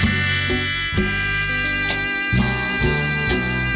อินโทรเพลงที่๗มูลค่า๒๐๐๐๐๐บาทครับ